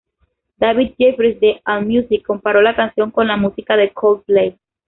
David Jeffries de "Allmusic" comparó la canción con la música de Coldplay.